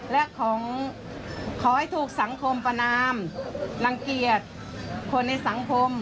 และขอให้ถูกสังคมประนามรังเกียจคนในสังคม